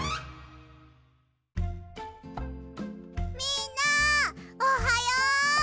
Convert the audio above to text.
みんなおはよう！